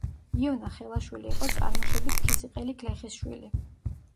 იონა ხელაშვილი იყო წარმოშობით ქიზიყელი გლეხის შვილი.